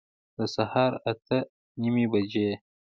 د سهار اته نیمي بجي